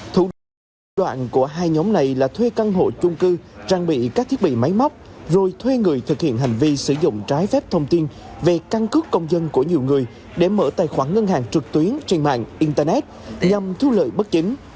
thủ đoạn của hai nhóm này là thuê căn hộ chung cư trang bị các thiết bị máy móc rồi thuê người thực hiện hành vi sử dụng trái phép thông tin về căn cước công dân của nhiều người để mở tài khoản ngân hàng trực tuyến trên mạng internet nhằm thu lợi bất chính